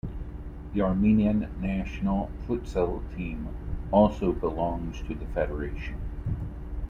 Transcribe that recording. The Armenian national futsal team also belongs to the federation.